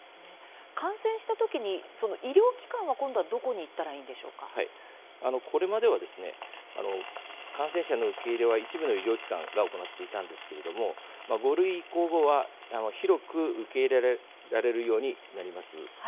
感染した時、医療機関は今度は、どこに行ったらこれまでは感染者の受け入れは一部の医療機関が行っていたんですが５類移行後は広く受け入れられるようになります。